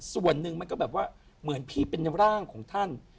ส่วนหนึ่งมันก็แบบว่าเหมือนพี่เป็นร่างของท่าน